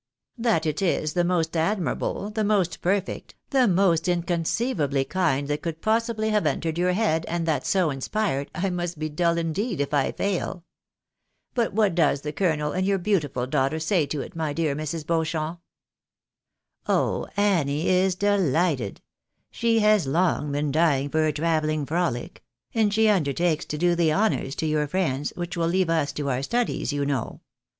"That it is the most admirable, the most perfect, the most in conceivably kind that could possibly have entered your head, and that so inspired, I must be dull indeed if I fail. But what does the colonel and your beautiful daughter say to it, my dear Mrs. Beauchamp ?" 80 THE BARNABYS Tin AMERICA. " Oh ! Annie is delighted. She has long been dying for a travelling frohc ; and she undertakes to do the honours to your friends, which will leave us to our studies, you know.